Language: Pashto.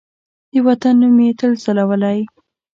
د وطن نوم یې تل ځلولی